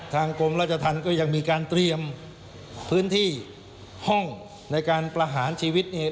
กรมราชธรรมก็ยังมีการเตรียมพื้นที่ห้องในการประหารชีวิตเนี่ย